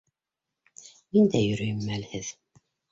- Мин дә йөрөйөм мәлһеҙ.